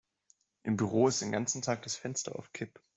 Im Büro ist den ganzen Tag das Fenster auf Kipp.